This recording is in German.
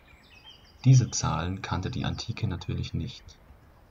Diese Zahlen kannte die Antike natürlich nicht.